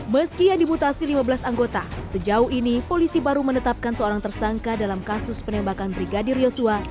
meski yang dimutasi lima belas anggota sejauh ini polisi baru menetapkan seorang tersangka dalam kasus penembakan brigadir yosua